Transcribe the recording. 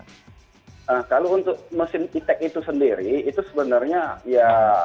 kalau untuk mesin e tax itu sendiri itu sebenarnya ya